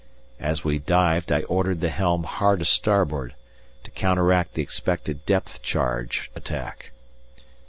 As we dived I ordered the helm hard a starboard, to counteract the expected depth charge attack.